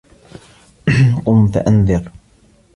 قُم فَأَنذِر